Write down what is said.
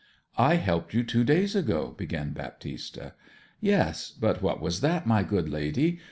'I helped you two days ago,' began Baptista. 'Yes but what was that, my good lady?